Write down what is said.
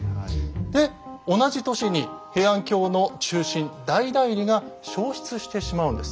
で同じ年に平安京の中心大内裏が焼失してしまうんです。